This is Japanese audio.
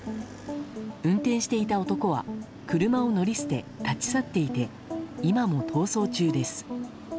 運転していた男は車を乗り捨て、立ち去っていて今も逃走中です。